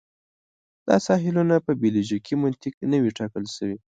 دا ساحلونه په بیولوژیکي منطق نه وې ټاکل شوي.